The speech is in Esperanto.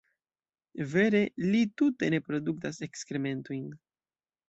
Vere, li tute ne produktas ekskrementojn.